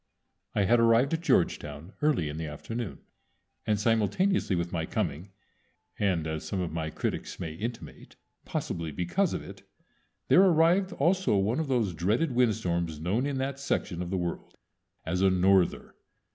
I had arrived at Georgetown early in the afternoon, and simultaneously with my coming and, as some of my critics may intimate, possibly because of it there arrived also one of those dreaded windstorms known in that section of the world as a norther.